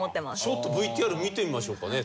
ちょっとＶＴＲ見てみましょうかね。